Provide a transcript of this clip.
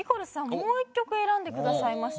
もう１曲選んでくださいました。